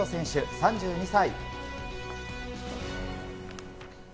３２歳。